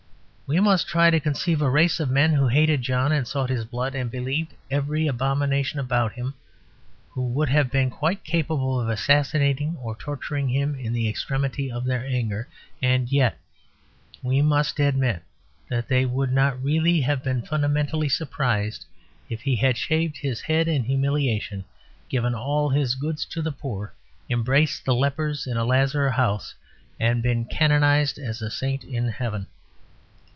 We must try to conceive a race of men who hated John, and sought his blood, and believed every abomination about him, who would have been quite capable of assassinating or torturing him in the extremity of their anger. And yet we must admit that they would not really have been fundamentally surprised if he had shaved his head in humiliation, given all his goods to the poor, embraced the lepers in a lazar house, and been canonised as a saint in heaven.